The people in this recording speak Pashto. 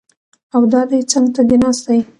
او دا دی څنګ ته دې ناست دی!